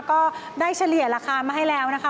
ก็ได้เฉลี่ยราคามาให้แล้วนะคะ